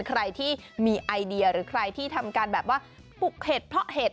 ใครที่มีไอเดียหรือใครที่ทำการแบบว่าปลูกเห็ดเพราะเห็ด